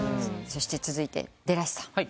そして続いてでらしさん。